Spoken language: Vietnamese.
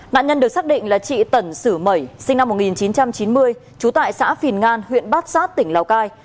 nạn nhân được xác định là chị tần sử mẩy sinh năm một nghìn chín trăm chín mươi trú tại xã phìn ngan huyện bát sát tỉnh lào cai